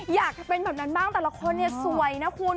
อยากจะเป็นแบบนั้นบ้างแต่ละคนเนี่ยสวยนะคุณ